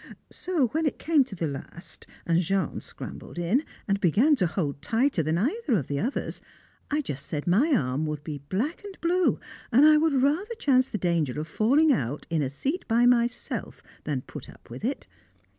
So when it came to the last, and Jean scrambled in, and began to hold tighter than either of the others, I just said my arm would be black and blue, and I would rather chance the danger of falling out, in a seat by myself, than put up with it.